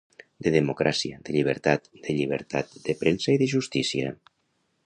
De democràcia, de llibertat, de llibertat de premsa i de justícia.